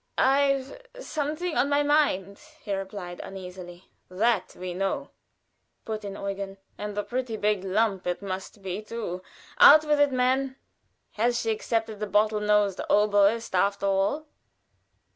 "I've something on my mind," he replied, uneasily. "That we know," put in Eugen; "and a pretty big lump it must be, too. Out with it, man! Has she accepted the bottle nosed oboist after all?"